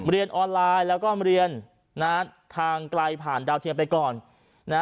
เรียนออนไลน์แล้วก็เรียนนะฮะทางไกลผ่านดาวเทียมไปก่อนนะฮะ